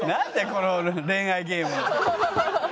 この恋愛ゲーム！